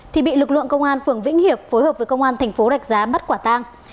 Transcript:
thì bị lực lượng công an phường vĩnh hiệp phối hợp với công an tp rạch giá bắt quả tăng